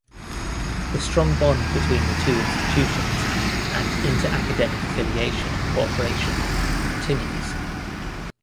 The strong bond between the two institutions, and inter-academic affiliation and cooperation, continues.